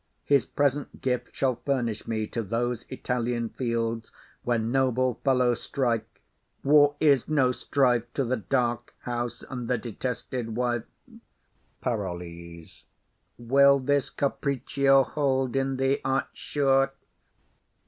His present gift Shall furnish me to those Italian fields Where noble fellows strike. War is no strife To the dark house and the detested wife. PAROLLES. Will this caprichio hold in thee, art sure?